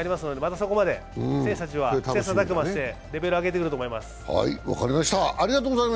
そこまで選手たちは切磋琢磨してレベルを上げてくると思います。